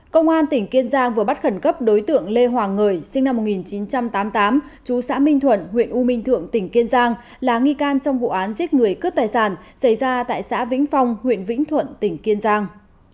công an tỉnh kiên giang vừa bắt khẩn cấp đối tượng lê hoàng ngời sinh năm một nghìn chín trăm tám mươi tám chú xã minh thuận huyện u minh thượng tỉnh kiên giang là nghi can trong vụ án giết người cướp tài sản xảy ra tại xã vĩnh phong huyện vĩnh thuận tỉnh kiên giang